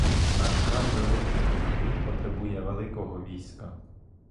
Наш край великий, він потребує великого війська.